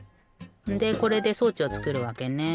でこれで装置をつくるわけね。